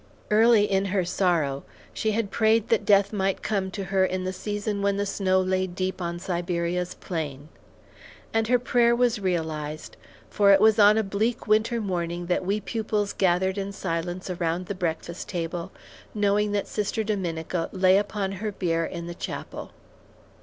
Early in her sorrow, she had prayed that death might come to her in the season when the snow lay deep on Siberia's plain; and her prayer was realized, for it was on a bleak winter morning that we pupils gathered in silence around the breakfast table, knowing that Sister Dominica lay upon her bier in the chapel.